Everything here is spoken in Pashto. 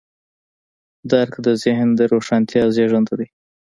درک د ذهن د روښانتیا زېږنده دی.